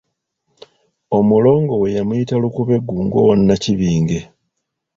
Omulongo we yamuyita Lukubeggu ng'owa Nnakibinge.